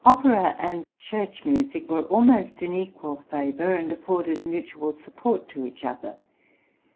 Opera and church music were almost in equal favour, and afforded mutual support to each other.